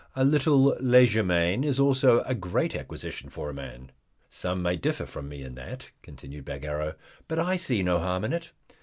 A little legerdemain is also a great acquisition for a man. Some may differ from me in that," continued Bagarrow, "but I see no harm in it.